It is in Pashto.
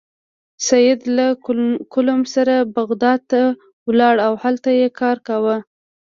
سید له کلوم سره بغداد ته لاړ او هلته یې کار کاوه.